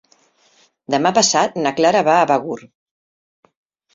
Demà passat na Clara va a Begur.